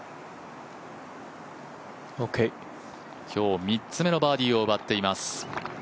今日３つ目のバーディーを奪っています。